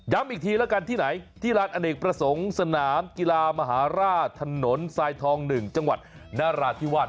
อีกทีแล้วกันที่ไหนที่ร้านอเนกประสงค์สนามกีฬามหาราชถนนทรายทอง๑จังหวัดนราธิวาส